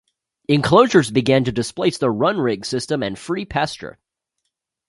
Enclosures began to displace the runrig system and free pasture.